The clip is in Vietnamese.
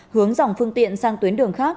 hướng dòng phương tiện sang tuyến đường khác